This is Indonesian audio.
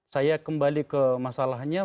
saya kembali ke masalahnya